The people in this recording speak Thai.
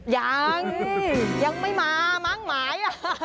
ยังยังไม่มามั้งหมายอ่ะ